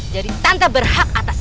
jadi tante berhak atas lady